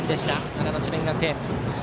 奈良の智弁学園。